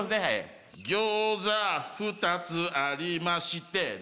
餃子２つありまして